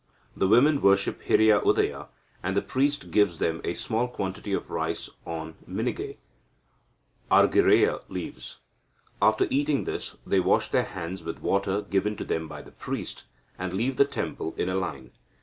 The women worship Hiriya Udaya, and the priest gives them a small quantity of rice on minige (Argyreia) leaves. After eating this, they wash their hands with water given to them by the priest, and leave the temple in a line.